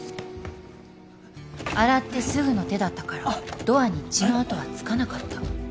洗ってすぐの手だったからドアに血の痕はつかなかった。